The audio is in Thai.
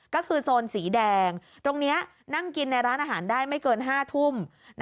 ก็คือโซนสีแดงตรงนี้นั่งกินในร้านอาหารได้ไม่เกิน๕ทุ่ม